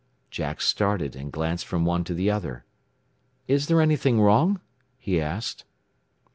Jack started, and glanced from one to the other. "Is there anything wrong?" he asked.